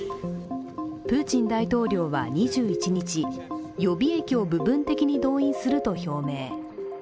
プーチン大統領は２１日予備役を部分的に動員すると表明。